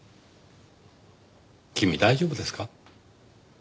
君大丈夫ですか？